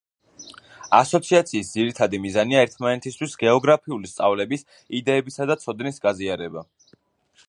ასოციაციის ძირითადი მიზანია ერთმანეთისთვის გეოგრაფიული სწავლების, იდეებისა და ცოდნის გაზიარება.